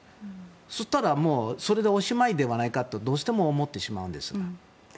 そうしたら、それでおしまいじゃないかとどうしても思ってしまうんですが。